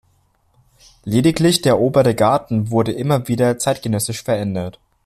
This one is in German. Lediglich der obere Garten wurde immer wieder zeitgenössisch verändert.